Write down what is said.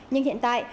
nhưng hiện tại